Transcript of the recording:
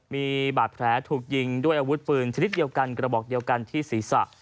มีบาดแผลถูกยิงด้วยอาวุธปืนชนิดเดียวกันกระบอกเดียวกันที่ศีรษะ